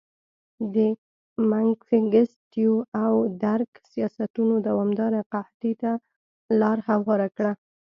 د منګستیو او درګ سیاستونو دوامداره قحطۍ ته لار هواره کړه.